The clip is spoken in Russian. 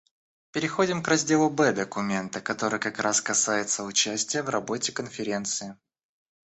Переходим к разделу В документа, который как раз касается участия в работе Конференции.